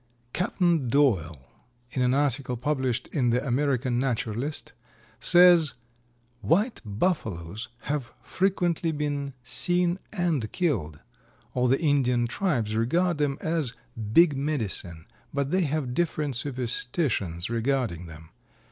Captain Doyle in an article published in the American Naturalist says, "White Buffaloes have frequently been seen and killed. All the Indian tribes regard them as 'big medicine,' but they have different superstitions regarding them.